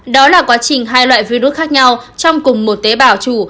đó là quá trình hai loại virus khác nhau trong cùng một tế bào chủ